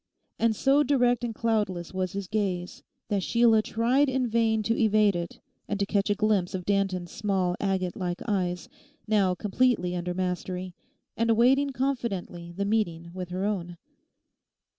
And so direct and cloudless was his gaze that Sheila tried in vain to evade it and to catch a glimpse of Danton's small agate like eyes, now completely under mastery, and awaiting confidently the meeting with her own.